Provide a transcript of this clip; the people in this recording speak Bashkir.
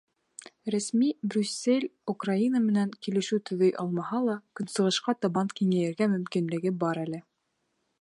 Рәсми Брюссель Украина менән килешеү төҙөй алмаһа ла, көнсығышҡа табан киңәйергә мөмкинлеге бар әле.